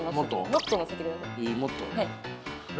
もっと載せてください。